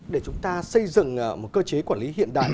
để chúng ta xây dựng một cơ chế quản lý hiện đại